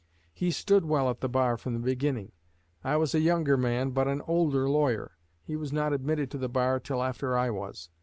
He stood well at the bar from the beginning. I was a younger man, but an older lawyer. He was not admitted to the bar till after I was.